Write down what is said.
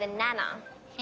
え